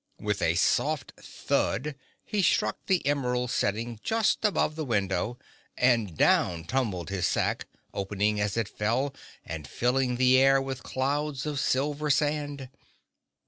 With a soft thud he struck the emerald setting just above the window, and down tumbled his sack, opening as it fell and filling the air with clouds of silver sand.